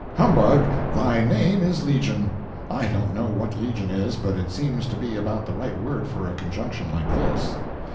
Humbug, thy name is legion, I don't know what legion is, but it seems to be about the right word for a conjunction like this.